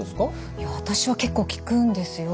いや私は結構聞くんですよ。